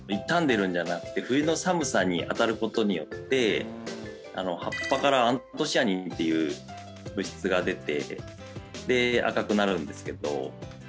傷んでるんじゃなくて冬の寒さに当たる事によって葉っぱからアントシアニンっていう物質が出てで赤くなるんですけど。